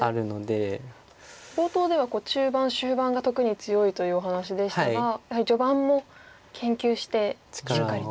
冒頭では中盤終盤が特に強いというお話でしたがやはり序盤も研究してしっかりと。